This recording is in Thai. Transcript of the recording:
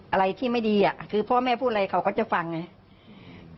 อะไรที่ไม่ดีอ่ะคือพ่อแม่พูดอะไรเขาก็จะฟังไง